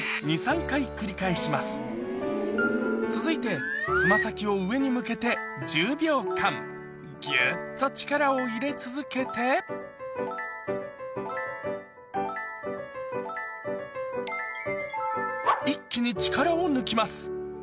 これを続いて爪先を上に向けて１０秒間ギュっと力を入れ続けて一気に力を抜きます